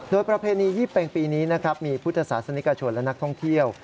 โดยประเพณียี่เป็งปีนี้นะครับมีพุทธศาสนิกชนและนักท่องเที่ยว